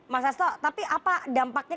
mas hasto tapi apa dampaknya